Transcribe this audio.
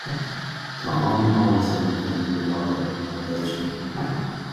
Tá an-áthas orm a bheith in bhur láthair ar an ócáid seo